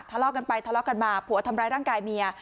ทะเลาะกันไปทะเลาะกันมาผัวทำร้ายร่างกายเมีย